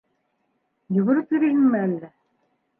- Йүгереп йөрөйһөңме әллә?